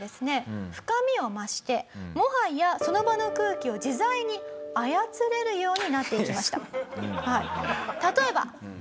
深みを増してもはやその場の空気を自在に操れるようになっていきました。